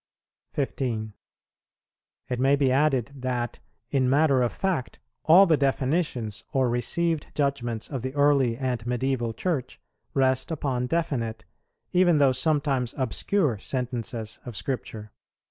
15. It may be added that, in matter of fact, all the definitions or received judgments of the early and medieval Church rest upon definite, even though sometimes obscure sentences of Scripture.